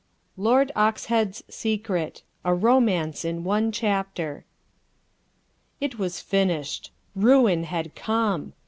Lord Oxhead's Secret A ROMANCE IN ONE CHAPTER It was finished. Ruin had come.